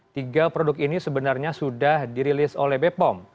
tiga produk ini sebenarnya sudah dirilis oleh bepom